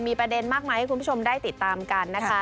มีประเด็นมากมายให้คุณผู้ชมได้ติดตามกันนะคะ